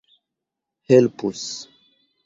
helpus